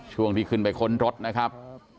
ช่วงที่ขึ้นไปค้นรถนะครับ